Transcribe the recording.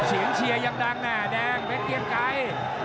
ฉีงเชียร์ยังดังนะแดงเม็ดเกียร์ไกร